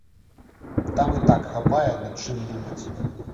Там і так хапае над чым думаць.